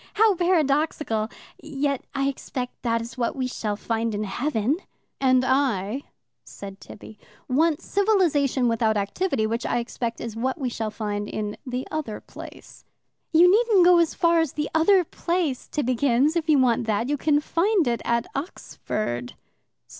How paradoxical! Yet I expect that is what we shall find in heaven." "And I," said Tibby, "want civilization without activity, which, I expect, is what we shall find in the other place." "You needn't go as far as the other place, Tibbi kins, if you want that. You can find it at Oxford."